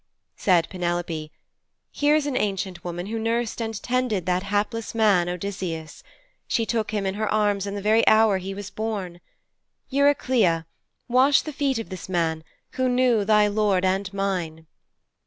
Said Penelope, 'Here is an ancient woman who nursed and tended that hapless man, Odysseus. She took him in her arms in the very hour he was born. Eurycleia, wash the feet of this man, who knew thy lord and mine.'